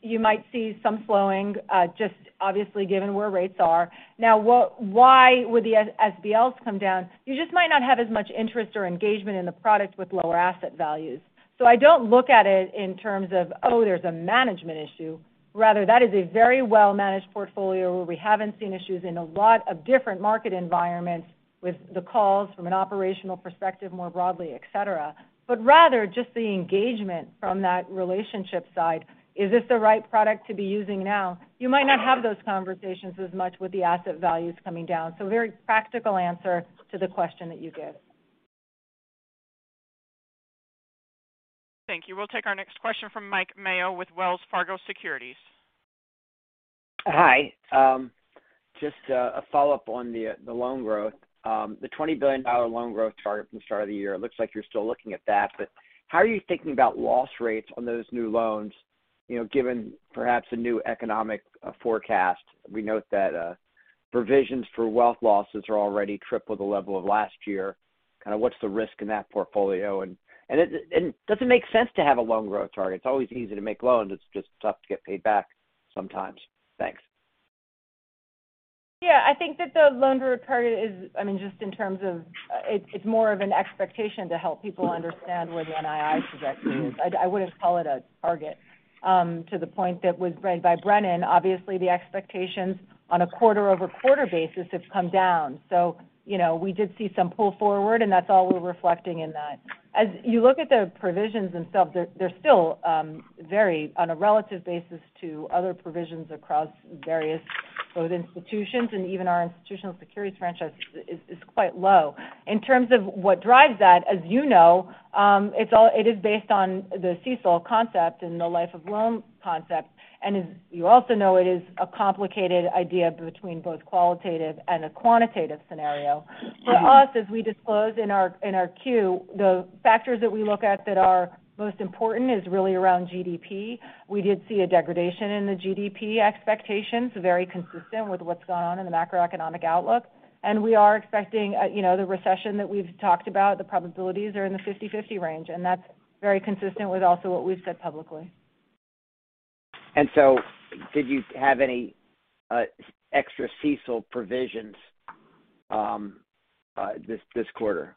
you might see some slowing, just obviously given where rates are. Now why would the SBLs come down? You just might not have as much interest or engagement in the product with lower asset values. I don't look at it in terms of, oh, there's a management issue. Rather, that is a very well-managed portfolio where we haven't seen issues in a lot of different market environments with the calls from an operational perspective, more broadly, et cetera. Rather just the engagement from that relationship side. Is this the right product to be using now? You might not have those conversations as much with the asset values coming down. Very practical answer to the question that you gave. Thank you. We'll take our next question from Mike Mayo with Wells Fargo Securities. Hi. Just a follow-up on the loan growth. The $20 billion loan growth target from the start of the year, it looks like you're still looking at that, but how are you thinking about loss rates on those new loans, you know, given perhaps a new economic forecast? We note that provisions for wealth losses are already triple the level of last year. Kind of what's the risk in that portfolio? Does it make sense to have a loan growth target? It's always easy to make loans. It's just tough to get paid back sometimes. Thanks. Yeah. I think that the loan growth target is, I mean, just in terms of it's more of an expectation to help people understand where the NII trajectory is. I wouldn't call it a target. To the point that was made by Brennan, obviously the expectations on a quarter-over-quarter basis have come down. You know, we did see some pull forward, and that's all we're reflecting in that. As you look at the provisions themselves, they're still very low on a relative basis to other provisions across various both institutions and even our institutional securities franchise is quite low. In terms of what drives that, as you know, it is based on the CECL concept and the life of loan concept. As you also know, it is a complicated idea between both qualitative and a quantitative scenario. For us, as we disclose in our Q, the factors that we look at that are most important is really around GDP. We did see a degradation in the GDP expectations, very consistent with what's gone on in the macroeconomic outlook. We are expecting, you know, the recession that we've talked about, the probabilities are in the 50-50 range, and that's very consistent with also what we've said publicly. Did you have any extra CECL provisions this quarter?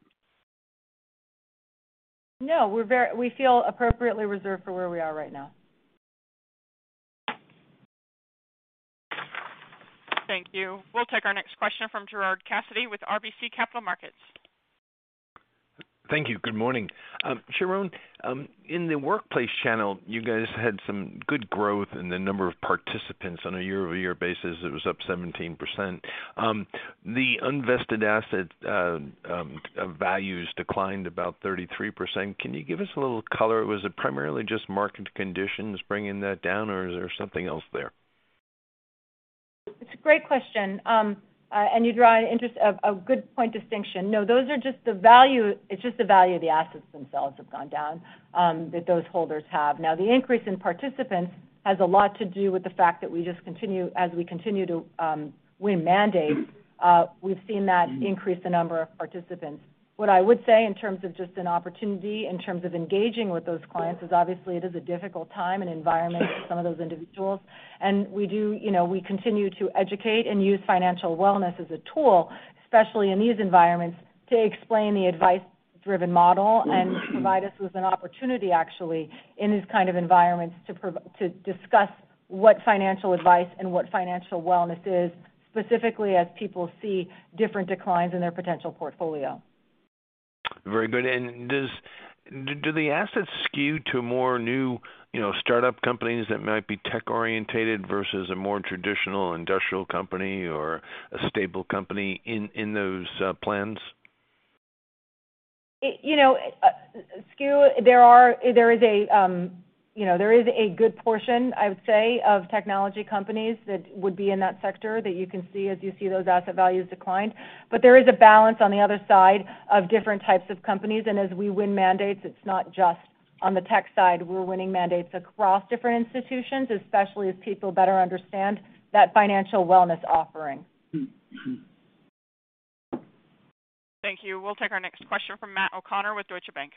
No, we feel appropriately reserved for where we are right now. Thank you. We'll take our next question from Gerard Cassidy with RBC Capital Markets. Thank you. Good morning. Sharon, in the workplace channel, you guys had some good growth in the number of participants on a year-over-year basis. It was up 17%. The unvested asset values declined about 33%. Can you give us a little color? Was it primarily just market conditions bringing that down, or is there something else there? It's a great question. You draw an interesting distinction. No, it's just the value of the assets themselves have gone down that those holders have. Now, the increase in participants has a lot to do with the fact that as we continue to win mandates, we've seen that increase the number of participants. What I would say in terms of just an opportunity, in terms of engaging with those clients is obviously it is a difficult time and environment for some of those individuals. We do, you know, we continue to educate and use financial wellness as a tool, especially in these environments, to explain the advice-driven model and provide us with an opportunity actually in these kind of environments to discuss what financial advice and what financial wellness is, specifically as people see different declines in their potential portfolio. Very good. Does the assets skew to more new, you know, startup companies that might be tech-oriented versus a more traditional industrial company or a stable company in those plans? It's, you know, skewed. There is a good portion, I would say, of technology companies that would be in that sector that you can see as you see those asset values decline. There is a balance on the other side of different types of companies, and as we win mandates, it's not just on the tech side. We're winning mandates across different institutions, especially as people better understand that financial wellness offering. Thank you. We'll take our next question from Matt O'Connor with Deutsche Bank.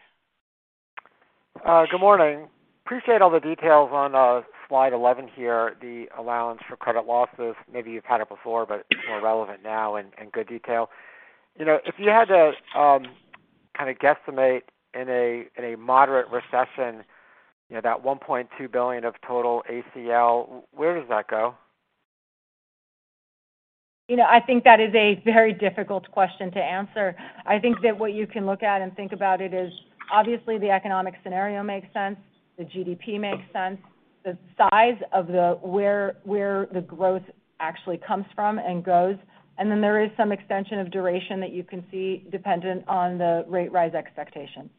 Good morning. Appreciate all the details on slide 11 here, the allowance for credit losses. Maybe you've had it before, but it's more relevant now and good detail. You know, if you had to kind of guesstimate in a moderate recession, you know, that $1.2 billion of total ACL, where does that go? You know, I think that is a very difficult question to answer. I think that what you can look at and think about it is obviously the economic scenario makes sense, the GDP makes sense, the size of the world, where the growth actually comes from and goes. Then there is some extension of duration that you can see dependent on the rate rise expectation.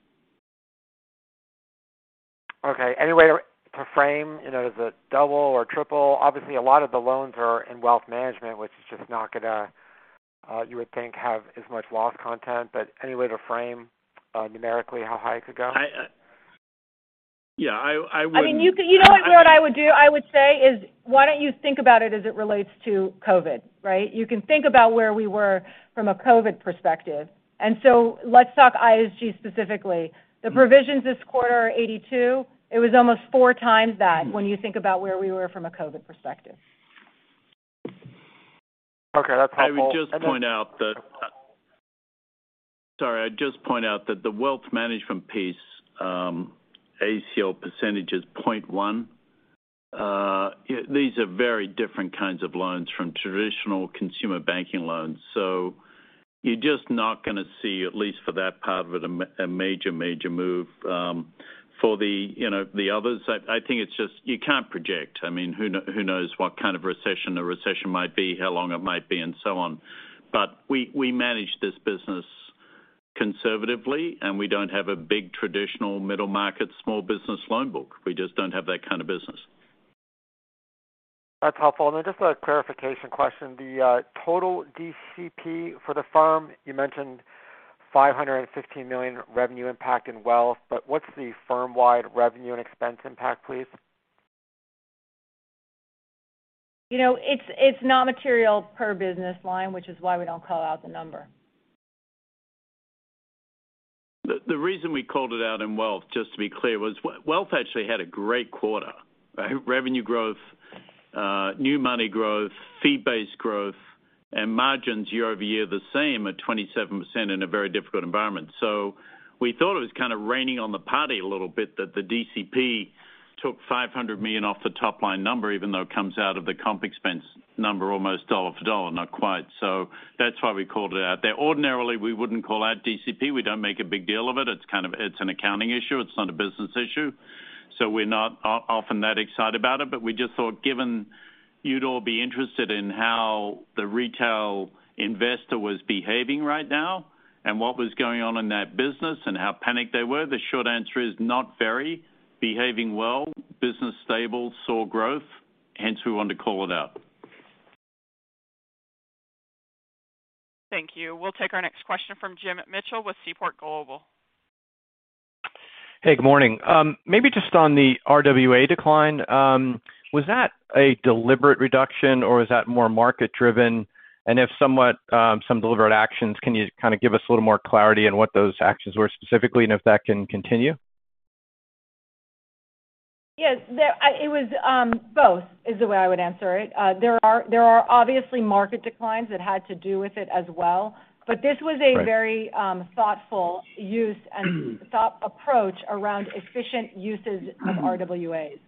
Okay. Any way to frame, you know, is it double or triple? Obviously, a lot of the loans are in wealth management, which is just not gonna, you would think have as much loss content, but any way to frame, numerically how high it could go? Yeah, I wouldn't. I mean, you can. You know what I would do? I would say is why don't you think about it as it relates to COVID, right? You can think about where we were from a COVID perspective. Let's talk ISG specifically. The provisions this quarter are $82. It was almost 4 times that when you think about where we were from a COVID perspective. Okay. That's helpful. I'd just point out that the wealth management piece, ACL percentage is 0.1%. These are very different kinds of loans from traditional consumer banking loans. You're just not gonna see, at least for that part of it, a major move. For the others, you know, I think it's just you can't project. I mean, who knows what kind of recession it might be, how long it might be, and so on. We manage this business conservatively, and we don't have a big traditional middle market small business loan book. We just don't have that kind of business. That's helpful. Just a clarification question. The total DCP for the firm, you mentioned $515 million revenue impact in wealth, but what's the firm-wide revenue and expense impact, please? You know, it's not material per business line, which is why we don't call out the number. The reason we called it out in wealth, just to be clear, was wealth actually had a great quarter. Revenue growth, new money growth, fee-based growth, and margins year-over-year the same at 27% in a very difficult environment. We thought it was kind of raining on the party a little bit that the DCP took $500 million off the top line number, even though it comes out of the comp expense number almost dollar for dollar, not quite. That's why we called it out there. Ordinarily, we wouldn't call out DCP. We don't make a big deal of it. It's kind of an accounting issue. It's not a business issue. We're not often that excited about it. We just thought given you'd all be interested in how the retail investor was behaving right now and what was going on in that business and how panicked they were. The short answer is not very. Behaving well, business stable, solid growth. Hence, we want to call it out. Thank you. We'll take our next question from James Mitchell with Seaport Global. Hey, good morning. Maybe just on the RWA decline, was that a deliberate reduction or was that more market-driven? If somewhat, some deliberate actions, can you kind of give us a little more clarity on what those actions were specifically and if that can continue? Yes. It was both, is the way I would answer it. There are obviously market declines that had to do with it as well. This was a Right. A very thoughtful use and thoughtful approach around efficient uses of RWAs.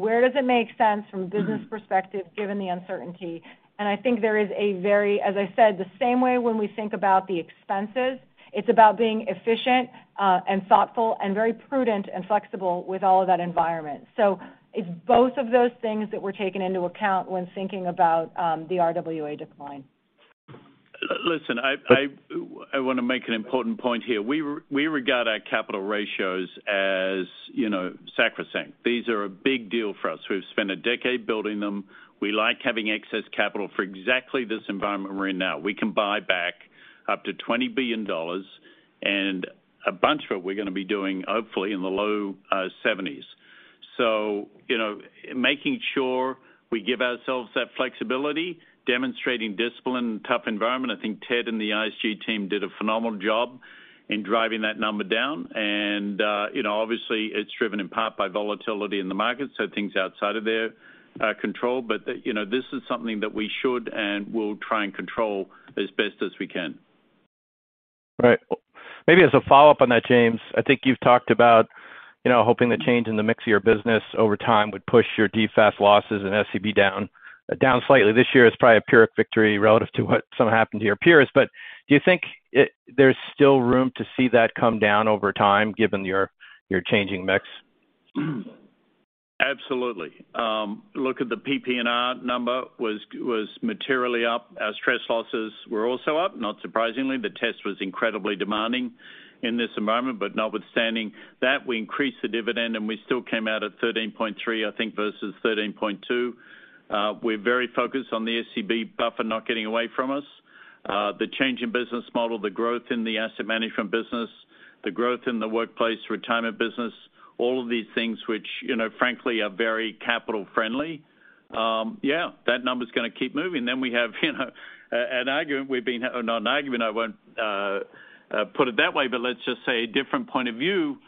Where does it make sense from a business perspective given the uncertainty? I think, as I said, the same way when we think about the expenses, it's about being efficient, and thoughtful and very prudent and flexible with all of that in the environment. It's both of those things that were taken into account when thinking about the RWA decline. Listen, I wanna make an important point here. We regard our capital ratios as, you know, sacrosanct. These are a big deal for us. We've spent a decade building them. We like having excess capital for exactly this environment we're in now. We can buy back up to $20 billion, and a bunch of it we're gonna be doing, hopefully, in the low seventies. You know, making sure we give ourselves that flexibility, demonstrating discipline in a tough environment. I think Ted and the ISG team did a phenomenal job in driving that number down. You know, obviously, it's driven in part by volatility in the market, so things outside of their control. You know, this is something that we should and will try and control as best as we can. Right. Maybe as a follow-up on that, James, I think you've talked about, you know, hoping the change in the mix of your business over time would push your DFAST losses and SCB down slightly. This year is probably a pyrrhic victory relative to what somehow happened to your peers. Do you think it, there's still room to see that come down over time, given your changing mix? Absolutely. Look at the PPNR number was materially up. Our stress losses were also up, not surprisingly. The test was incredibly demanding in this environment. Notwithstanding that, we increased the dividend, and we still came out at 13.3%, I think, versus 13.2%. We're very focused on the SCB buffer not getting away from us. The change in business model, the growth in the asset management business, the growth in the workplace retirement business, all of these things which, you know, frankly, are very capital friendly. Yeah, that number's gonna keep moving. We have, you know, not an argument, I won't put it that way, but let's just say a different point of view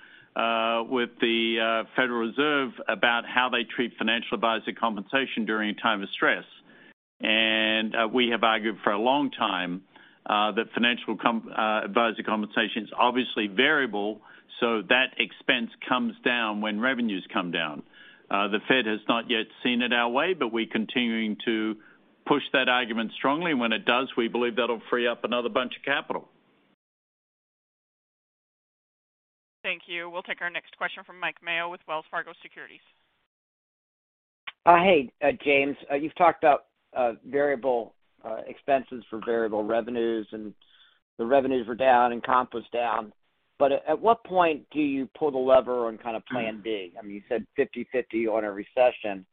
with the Federal Reserve about how they treat financial advisor compensation during a time of stress. We have argued for a long time that financial advisor compensation is obviously variable, so that expense comes down when revenues come down. The Fed has not yet seen it our way, but we're continuing to push that argument strongly. When it does, we believe that'll free up another bunch of capital. Thank you. We'll take our next question from Mike Mayo with Wells Fargo Securities. Hey, James. You've talked about variable expenses for variable revenues, and the revenues were down and comp was down. At what point do you pull the lever on kind of plan B? I mean, you said 50/50 on a recession.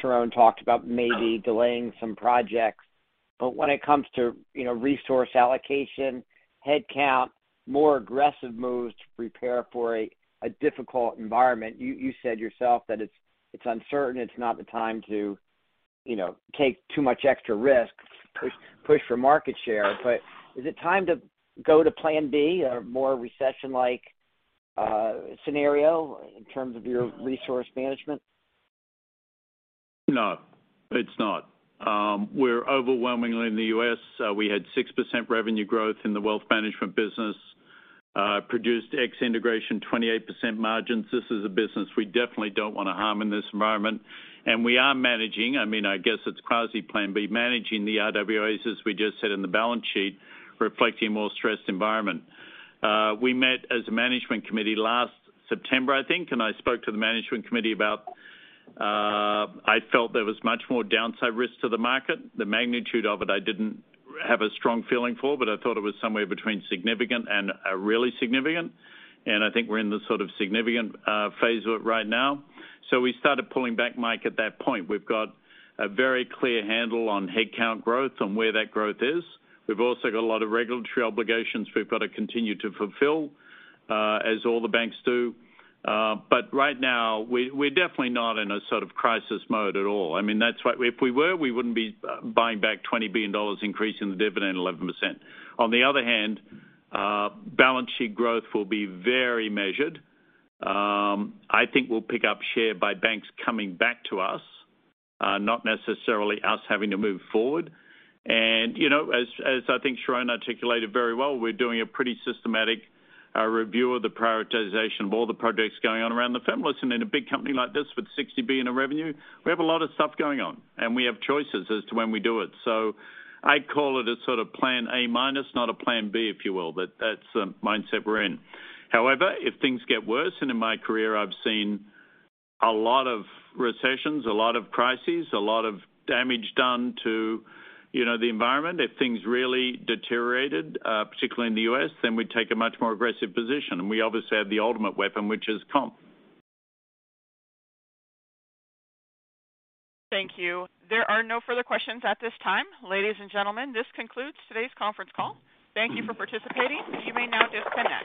Sharon talked about maybe delaying some projects. When it comes to, you know, resource allocation, head count, more aggressive moves to prepare for a difficult environment, you said yourself that it's uncertain, it's not the time to, you know, take too much extra risk, push for market share. Is it time to go to plan B or more recession-like scenario in terms of your resource management? No, it's not. We're overwhelmingly in the U.S. We had 6% revenue growth in the wealth management business. Produced E*TRADE integration, 28% margins. This is a business we definitely don't wanna harm in this environment. We are managing, I mean, I guess it's quasi plan B, managing the RWAs, as we just said in the balance sheet, reflecting more stressed environment. We met as a management committee last September, I think, and I spoke to the management committee about, I felt there was much more downside risk to the market. The magnitude of it I didn't have a strong feeling for, but I thought it was somewhere between significant and really significant. I think we're in the sort of significant phase of it right now. We started pulling back, Mike, at that point. We've got a very clear handle on headcount growth and where that growth is. We've also got a lot of regulatory obligations we've got to continue to fulfill, as all the banks do. Right now, we're definitely not in a sort of crisis mode at all. I mean, that's why if we were, we wouldn't be buying back $20 billion, increasing the dividend 11%. On the other hand, balance sheet growth will be very measured. I think we'll pick up share by banks coming back to us, not necessarily us having to move forward. You know, as I think Sharon articulated very well, we're doing a pretty systematic review of the prioritization of all the projects going on around the firm. Listen, in a big company like this with $60 billion in revenue, we have a lot of stuff going on, and we have choices as to when we do it. I call it a sort of plan A minus, not a plan B, if you will. That's the mindset we're in. However, if things get worse, and in my career, I've seen a lot of recessions, a lot of crises, a lot of damage done to, you know, the environment. If things really deteriorated, particularly in the U.S., then we'd take a much more aggressive position. We obviously have the ultimate weapon, which is comp. Thank you. There are no further questions at this time. Ladies and gentlemen, this concludes today's conference call. Thank you for participating. You may now disconnect.